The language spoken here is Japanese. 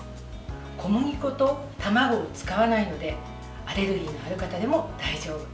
小麦粉と卵を使わないのでアレルギーのある方でも大丈夫。